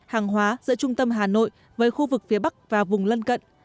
hàng hóa giữa trung tâm hà nội với khu vực phía bắc và vùng lân cận